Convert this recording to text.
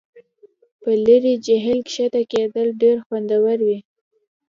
په لرې جهیل کښته کیدل ډیر خوندور وي